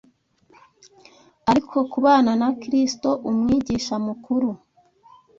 ariko kubana na Kristo, Umwigisha Mukuru